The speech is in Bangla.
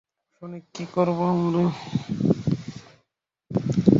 সনিক, কী করব, আমরা?